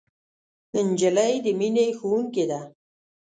نجلۍ د مینې ښوونکې ده.